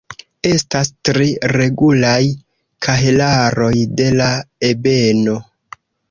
Estas tri regulaj kahelaroj de la ebeno.